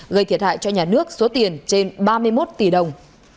gây thiệt hại cho nhà nước số tiền trên ba mươi một tỷ đồng